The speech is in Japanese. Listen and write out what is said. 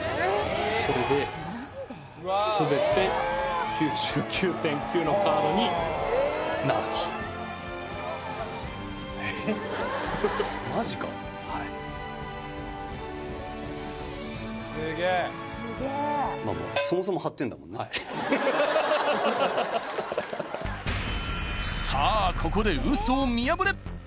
これで全て「９９．９」のカードになるとはいさあここでウソを見破れ